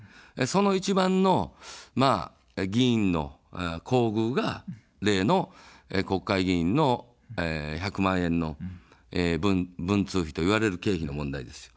その一番の議員の厚遇が、例の国会議員の１００万円の文通費といわれる経費の問題です。